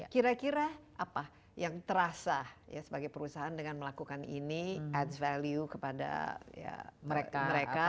kira kira apa yang terasa sebagai perusahaan dengan melakukan ini adds value kepada mereka